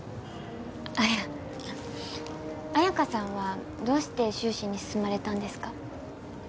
いや綾香さんはどうして修士に進まれたんですか？